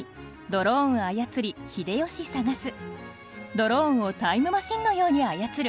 ドローンをタイムマシンのように操る。